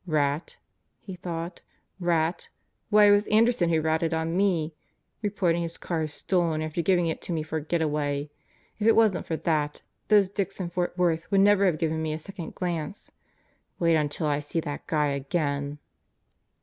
Rat? he thought. Rat? Why it was Anderson who ratted on me! Report ing his car as stolen after giving it to me for a getaway. If it wasn't for that, those dicks in Fort Worth would never have given me a second glance. Wait until I see that guy again!